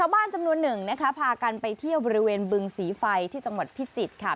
บ้านจำนวนหนึ่งนะคะพากันไปเที่ยวบริเวณบึงสีไฟที่จังหวัดพิจิตรค่ะ